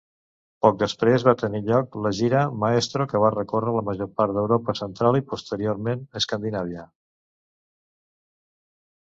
Poc després, va tenir lloc la gira Maestro, que va recórrer la major part d'Europa central i posteriorment Escandinàvia.